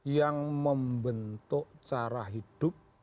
yang membentuk cara hidup